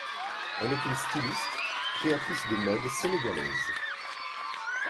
Elle est une styliste, créatrice de mode sénégalaise.